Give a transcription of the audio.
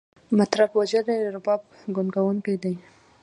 مطرب وژلی، رباب ګونګی دی